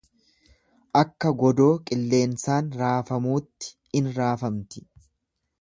Akka godoo qilleensaan raafamuutti in raafamti.